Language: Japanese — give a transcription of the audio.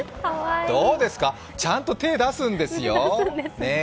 どうですか、ちゃんと手を出すんですよ。